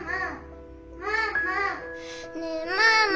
ねえママ！